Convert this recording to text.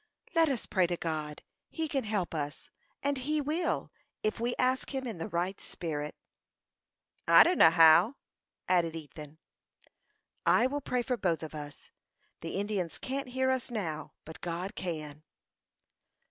"Let us pray to God. He can help us, and He will, if we ask Him in the right spirit." "I dunno how," added Ethan. "I will pray for both of us. The Indians can't hear us now, but God can."